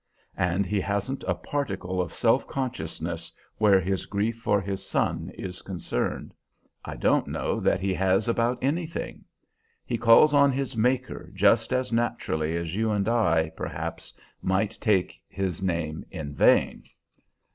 And he hasn't a particle of self consciousness where his grief for his son is concerned. I don't know that he has about anything. He calls on his Maker just as naturally as you and I, perhaps, might take his name in vain."